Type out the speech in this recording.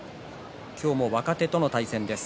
今日も若手との対戦です。